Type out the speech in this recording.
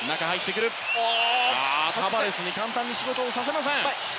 タバレスに簡単に仕事をさせません。